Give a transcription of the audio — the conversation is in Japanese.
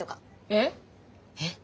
えっ？えっ？